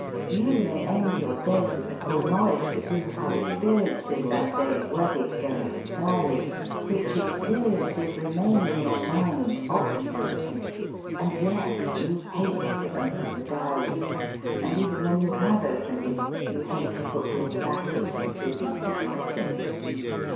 You may end your day with the full knowledge that you have had ex periences that day worthy to go into the diary, which experiences remain in your mind ob stinately. And yet you hate to open the diary, and even when you have opened it you hate to put your back into the business of writing.